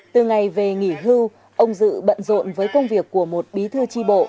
từ ngày về nghỉ hưu ông dự bận rộn với công việc của một bí thư tri bộ